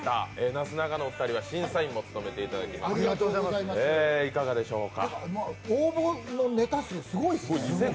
なすなかのお二人は審査員も務めていただきますけど、いかがでしょうか？